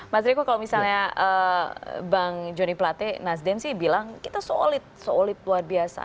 mas riko kalau misalnya bang joni plate nasdem sih bilang kita solid solid luar biasa